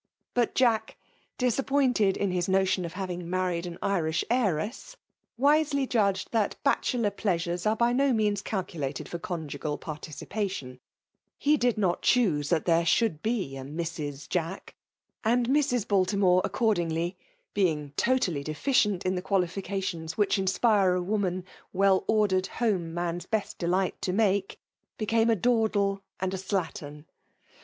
But Jade, disaib. pointed in his notion of having married an Irish heiress, wisely judged thai bachelor plea* flHvea are by bo means calculated for conjoeal participation. He Hd not choose Uiat theie fllioidd be a Mrs. Jack ; and Mrs. Baltimote accordingly, being totally deficient in the qua» hficatiooB which ins{»re a woman " Weiloi^r'd home iBoas beit dslighi to make^*' became a dawdle and a slattern.